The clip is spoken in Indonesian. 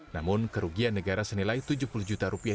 namun kerugian negara senilai tujuh puluh juta rupiah